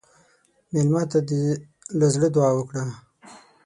مېلمه ته له زړه دعا وکړه.